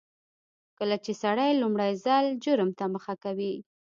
کله چې سړی لومړي ځل جرم ته مخه کوي.